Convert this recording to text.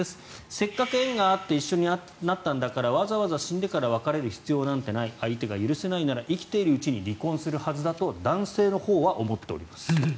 せっかく縁があって一緒にあったんだからわざわざ死んでから別れる必要なんてない相手が許せないなら生きているうちに離婚するはずだと男性のほうは思っております。